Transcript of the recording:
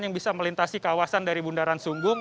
yang bisa melintasi kawasan dari bundaran sunggung